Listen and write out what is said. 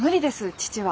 父は。